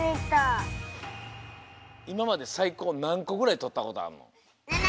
いままでさいこうなんこぐらいとったことあんの？